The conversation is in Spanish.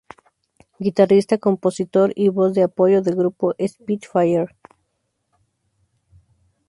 Guitarrista, compositor y voz de apoyo del grupo Spitfire.